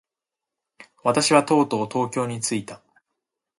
私はとうとう東京に着いた。